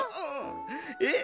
えっ？